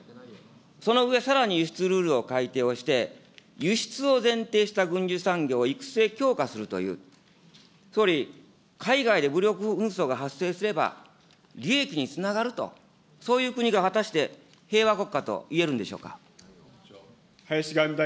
その上、さらに輸出ルールを改定をして、輸出を前提とした軍需産業を育成強化するという、総理、海外で武力紛争が発生すれば、利益につながると、そういう国が果たして平和国家といえるんでしょうか。